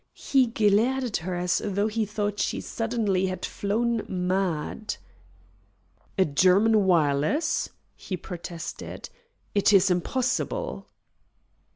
He glared at her as though he thought she suddenly had flown mad. "A German wireless!" he protested. "It is impossible!"